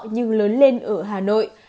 nhưng lớn lên ở hà nội